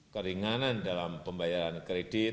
keringanan dalam pembayaran kredit